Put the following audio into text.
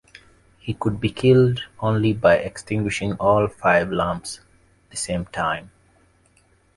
He could be killed only by extinguishing all five lamps the same time.